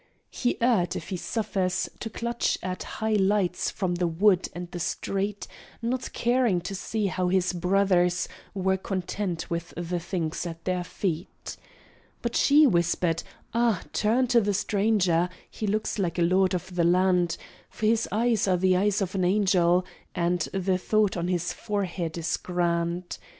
"He erred, if he suffers, to clutch at High lights from the wood and the street; Not caring to see how his brothers Were content with the things at their feet." But she whispered, "Ah, turn to the stranger! He looks like a lord of the land; For his eyes are the eyes of an angel, And the thought on his forehead is grand!